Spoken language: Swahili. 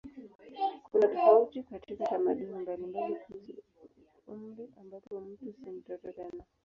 Kuna tofauti katika tamaduni mbalimbali kuhusu umri ambapo mtu si mtoto tena.